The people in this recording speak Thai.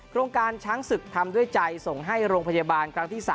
โครงการช้างศึกทำด้วยใจส่งให้โรงพยาบาลครั้งที่๓